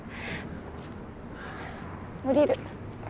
降りる。